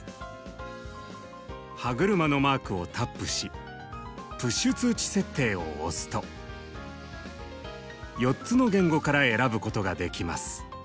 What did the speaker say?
歯車のマークをタップし「プッシュ通知設定」を押すと４つの言語から選ぶことができます。